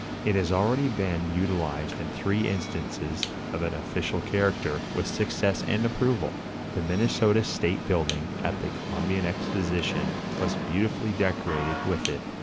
It has already been utilized in three instances of an official character, with success and approval. The Minnesota state building at the Columbian Exposition was beautifully decorated with it.